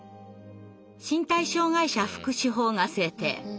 「身体障害者福祉法」が制定。